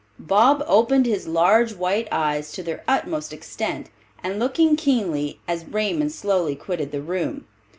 Bob opened his large white eyes to their utmost extent, and looking keenly at Raymond slowly quitted the room.